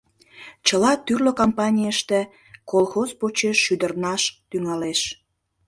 Чыла тӱрлӧ кампанийыште колхоз почеш шӱдырнаш тӱҥалеш.